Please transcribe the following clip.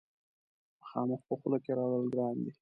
مخامخ په خوله راوړل ګران دي.